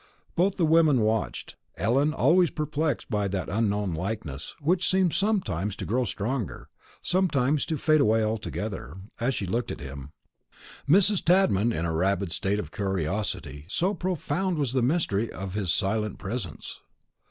Both the women watched him; Ellen always perplexed by that unknown likeness, which seemed sometimes to grow stronger, sometimes to fade away altogether, as she looked at him; Mrs. Tadman in a rabid state of curiosity, so profound was the mystery of his silent presence.